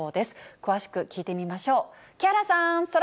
詳しく聞いてみましょう。